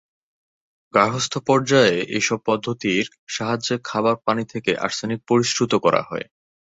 গার্হস্থ্য পর্যায়ে এ সব পদ্ধতির সাহায্যে খাবার পানি থেকে আর্সেনিক পরিশ্রুত করা হয়।